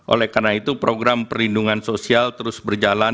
oleh karena itu program perlindungan sosial terus berjalan